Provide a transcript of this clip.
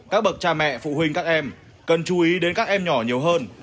các bậc cha mẹ phụ huynh các em cần chú ý đến các em nhỏ nhiều hơn